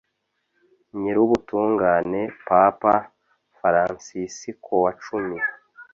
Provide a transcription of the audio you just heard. nyirubutungane papa faransisikowacumi